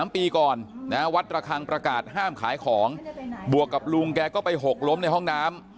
๓ปีก่อนวัดระคังประกาศห้ามขายของบวกกับลุงแกก็ไปหกล้มในห้องน้ำ